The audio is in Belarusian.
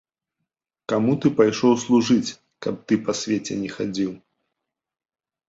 Каму ты пайшоў служыць, каб ты па свеце не хадзіў!